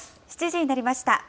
７時になりました。